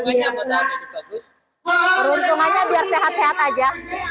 keuntungannya biar sehat sehat aja